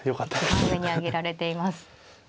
一番上に挙げられています。